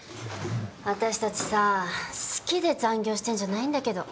私たちさ好きで残業してんじゃないんだけど。